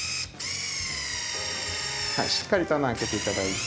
しっかりと穴開けていただいて。